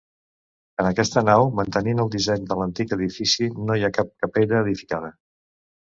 En aquesta nau, mantenint el disseny de l'antic edifici, no hi ha cap capella edificada.